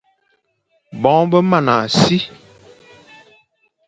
Boñe be mana si,